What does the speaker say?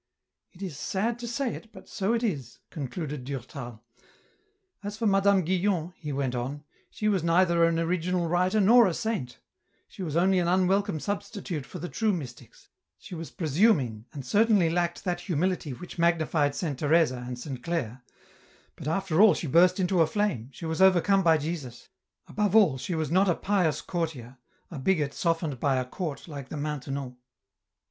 " It is sad to say it, but so it is," concluded Durtal. " As for Madame Guyon," he went on, " she was neither an original writer nor a saint ; she was only an unwelcome substitute for the true mystics ; she was presuming and certainly lacked that humility which magnified Saint Teresa and Saint Clare ; but after all she burst into a flame, she was overcome by Jesus ; above all, she was not a pious courtier, a bigot softened by a court like the Maintenon.